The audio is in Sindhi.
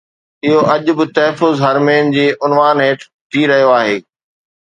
اهو اڄ به تحفظ حرمين جي عنوان هيٺ ٿي رهيو آهي